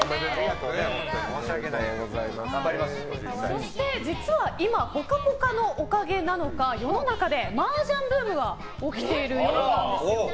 そして、実は今「ぽかぽか」のおかげなのか世の中でマージャンブームが起きているようなんですよ。